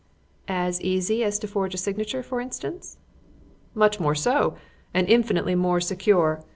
"As easy as to forge a signature, for instance?" "Much more so, and infinitely more secure.